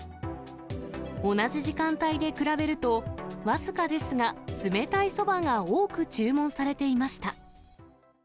同じ時間帯で比べると、僅かですが、冷たいそばが多く注文されていました。